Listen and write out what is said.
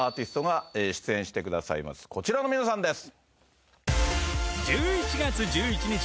こちらの皆さんです。